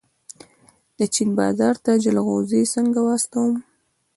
د چین بازار ته جلغوزي څنګه واستوم؟